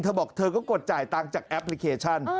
เธอบอกเธอก็กดจ่ายตังค์จากแอปพลิเคชัน